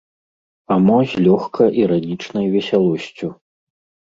А мо з лёгка-іранічнай весялосцю.